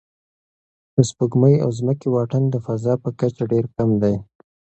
د سپوږمۍ او ځمکې واټن د فضا په کچه ډېر کم دی.